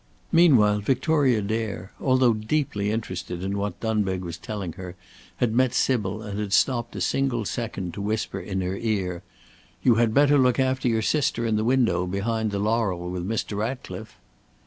Meanwhile Victoria Dare, although deeply interested in what Dunbeg was telling her, had met Sybil and had stopped a single second to whisper in her ear: "You had better look after your sister, in the window, behind the laurel with Mr. Ratcliffe!"